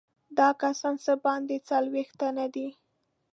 دا کسان څه باندې څلوېښت تنه دي.